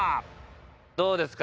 どうですか？